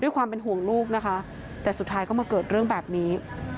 ความเป็นห่วงลูกนะคะแต่สุดท้ายก็มาเกิดเรื่องแบบนี้